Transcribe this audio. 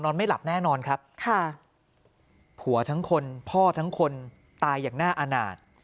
ไม่หลับแน่นอนครับค่ะผัวทั้งคนพ่อทั้งคนตายอย่างน่าอาณาจ